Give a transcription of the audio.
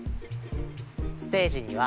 ステージには西郷